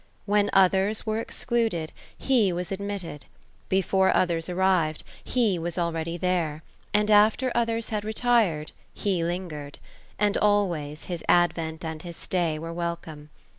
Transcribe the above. When others were excluded, he was THE ROSE OF ELSINORE. 243 admitted ; before others arrived, he was already there; and after others had retired, he lingered; and always, his advent and his stay were wel come.